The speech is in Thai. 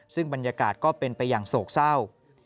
ซึ่งบรรยากาศก็เป็นไปอย่างโศกเศร้า